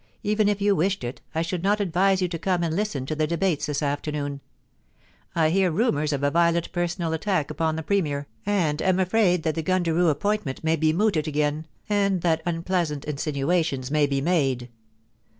Even if you wished it, I should not advise you to come and listen to the debates this afternoon. I hear rumours of a violent personal attack upon the Premier and am afraid that the Gundaroo appointment may be mooted again, and that unpleasant insinuations may be made.'